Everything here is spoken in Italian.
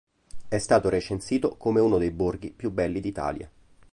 È stato recensito come uno dei borghi più belli d'Italia.